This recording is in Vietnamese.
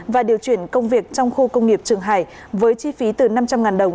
và điều chuyển công việc trong khu công nghiệp trường hải với chi phí từ năm trăm linh đồng